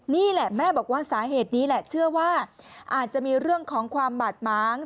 นี่แหละแม่บอกว่าสาเหตุนี้แหละเชื่อว่าอาจจะมีเรื่องของความบาดม้าง